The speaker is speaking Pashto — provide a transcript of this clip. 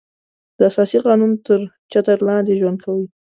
د اساسي قانون تر چتر لاندې ژوند کوي.